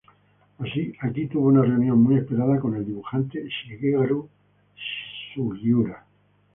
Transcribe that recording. Aquí tuvo una reunión muy esperada con el dibujante Shigeru Sugiura.